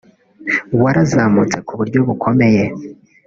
warazamutse ku buryo bukomeye